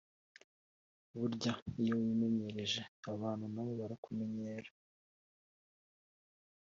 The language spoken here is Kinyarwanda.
Burya iyo wimenyereje abantu nabo barakumenyera